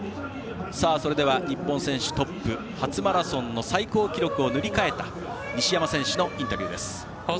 それでは、日本選手トップ初マラソンの最高記録を塗り替えた西山選手のインタビューです。